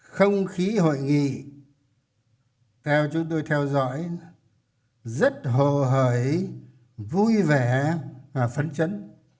không khí hội nghị theo chúng tôi theo dõi rất hồ hởi vui vẻ và phấn chấn